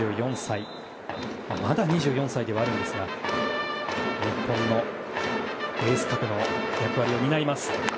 まだ２４歳ではあるんですが日本のエース格の役割を担います。